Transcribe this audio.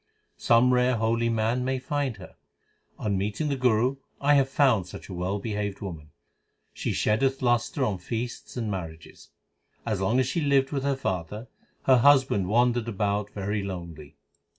Some rare holy man may find her : On meeting the Guru I have found such a well behaved woman : She sheddeth lustre on feasts and marriages. As long as she lived with her father, 1 Her husband wandered about very lonely.